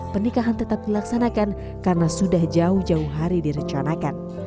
pernikahan tetap dilaksanakan karena sudah jauh jauh hari direncanakan